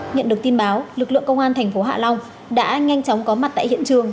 nhận được tin báo lực lượng công an thành phố hạ long đã nhanh chóng có mặt tại hiện trường